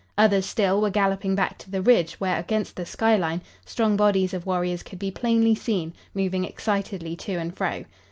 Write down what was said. Others, still, were galloping back to the ridge, where, against the sky line, strong bodies of warriors could be plainly seen, moving excitedly to and fro.